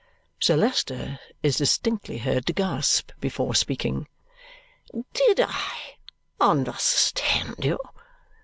Sir Leicester is distinctly heard to gasp before speaking. "Did I understand you?